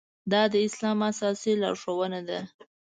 دا د اسلام اساسي لارښوونه ده.